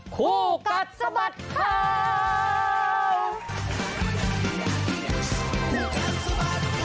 คู่กัดสะบัดข่าว